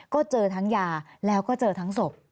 ก็เจอทั้งยาแล้วก็เจอทั้งศพ